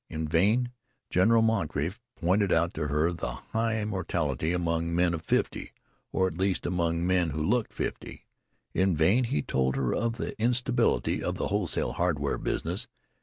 In vain General Moncrief pointed out to her the high mortality among men of fifty or, at least, among men who looked fifty; in vain he told her of the instability of the wholesale hardware business.